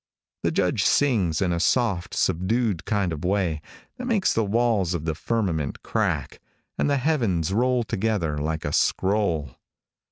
The Judge sings in a soft, subdued kind of a way that makes the walls of the firmament crack, and the heavens roll together like a scroll.